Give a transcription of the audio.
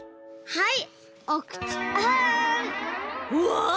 はい！